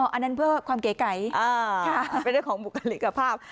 อันนั้นเพื่อความเก๋ไก่เป็นเรื่องของบุคลิกภาพ